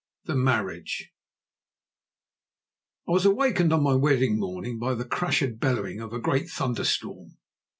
THE MARRIAGE I was awakened on my wedding morning by the crash and bellowing of a great thunderstorm.